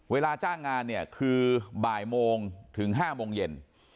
เวลาจ้างงานเนี่ยคือบ่ายโมงถึง๕โมงเย็น